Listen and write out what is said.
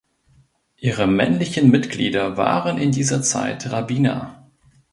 Ihre männlichen Mitglieder waren in dieser Zeit Rabbiner.